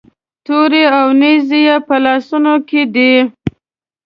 تورې او نیزې یې په لاسونو کې دي.